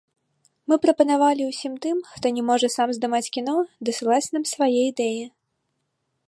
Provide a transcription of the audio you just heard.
Мы прапанавалі ўсім тым, хто не можа сам здымаць кіно, дасылаць нам свае ідэі.